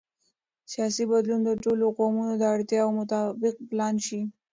سیاسي بدلون د ټولو قومونو د اړتیاوو مطابق پلان شي